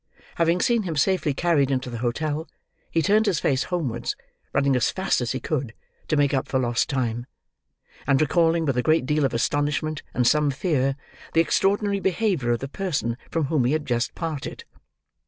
Having seen him safely carried into the hotel, he turned his face homewards, running as fast as he could, to make up for lost time: and recalling with a great deal of astonishment and some fear, the extraordinary behaviour of the person from whom he had just parted.